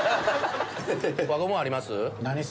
輪ゴムあります？